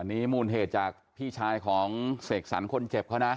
อันนี้มูลเหตุจากพี่ชายของเสกสรรคนเจ็บเขานะ